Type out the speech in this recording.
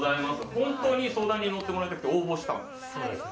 本当に相談に乗ってもらいたくて応募したそうですね。